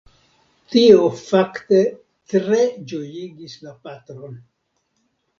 Tio fakte tre ĝojigis la patron.